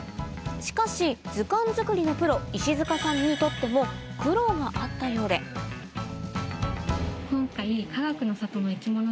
しかし図鑑作りのプロ石塚さんにとっても苦労があったようで今回。